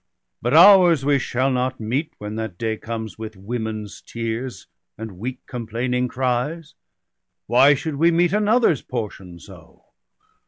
But ours we shall not meet, when that day comes, With women's tears and weak complaining cries — Why should we meet another's portion so